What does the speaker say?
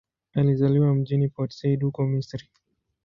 Alizaliwa mjini Port Said, huko Misri.